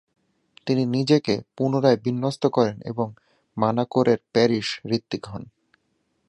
তিনি নিজেকে পুনরায় বিন্যস্ত করেন এবং মানাকোরের প্যারিশ ঋত্বিক হন।